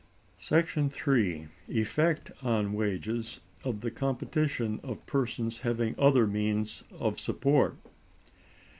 § 3. Effect on Wages of the Competition of Persons having other Means of Support.